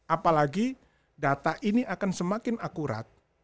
apalagi data ini akan semakin akurat